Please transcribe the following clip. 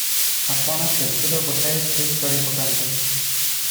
ଆପଣ ସେଥିର ଗୋଟାଏ ଠିକ୍ କରିପକାନ୍ତୁ ।"